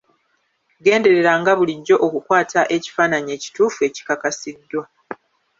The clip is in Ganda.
Gendereranga bulijjo okukwata ekifaananyi ekituufu ekikasiddwa.